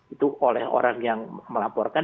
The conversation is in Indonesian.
itu oleh orang yang melaporkan